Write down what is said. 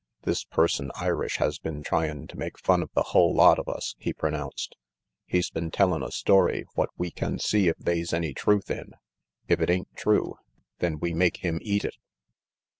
"This person Irish has been tryin' to make fun of the hull lot of us," he pronounced. "He's been tellin' a story what we can see if they's any truth in. If it ain't true, then we make him eat it."